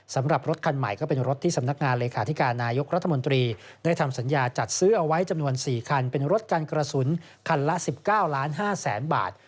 สำหรับรถคันใหม่ก็เป็นรถที่สำนักงานเลขาธิการนายกรัฐมนตรีได้ทำสัญญาจัดซื้อเอาไว้จำนวน๔คันเป็นรถกันกระสุนคันละ๑๙๕๐๐๐๐บาท